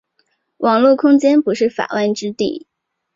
网络空间不是“法外之地”。